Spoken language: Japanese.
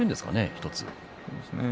１つ。